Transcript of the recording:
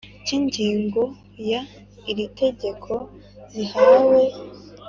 Cy ingingo ya y iri tegeko zihawe